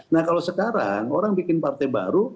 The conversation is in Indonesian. nah kalau sekarang orang bikin partai baru